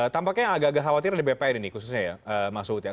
tampaknya agak agak khawatir di bpn ini khususnya ya mas ud ya